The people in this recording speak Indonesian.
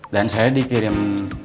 dan saya dikirim